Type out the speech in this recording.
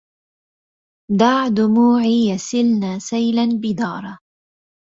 دع دموعي يسلن سيلا بدار